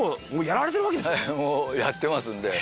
もうやってますんで。